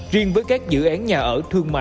riêng với các dự án nhà ở